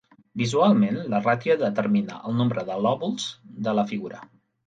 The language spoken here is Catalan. Visualment, la ràtio determina el nombre de "lòbuls" de la figura.